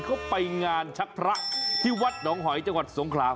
เขาไปงานชักพระที่วัดหนองหอยจังหวัดสงขลา